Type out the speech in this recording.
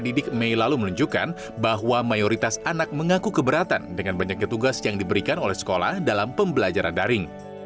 didik mei lalu menunjukkan bahwa mayoritas anak mengaku keberatan dengan banyaknya tugas yang diberikan oleh sekolah dalam pembelajaran daring